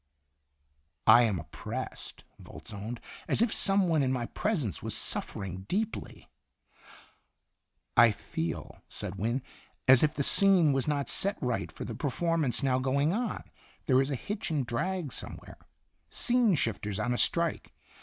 "" I am oppressed," Volz owned, " as if some one in my presence was suffering deeply." " I feel," said Wynne, " as if the scene was not set right for the performance now going on. There is a hitch and drag somewhere scene shifters on a strike.